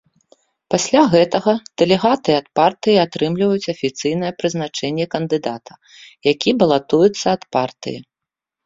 Пасля гэтага дэлегаты ад партыі атрымліваюць афіцыйнае прызначэнне кандыдата, які балатуецца ад партыі.